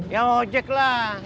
ya ojek lah